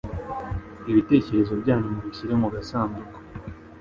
Ibitecyerezo byanyu mubishyire mugasanduku